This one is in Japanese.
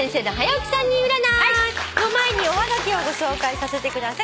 の前におはがきをご紹介させてください。